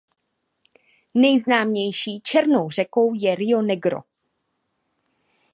Nejznámější černou řekou je Rio Negro.